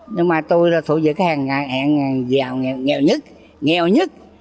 nhưng mà tôi là thuộc dự khách hàng nghèo nhất nghèo nhất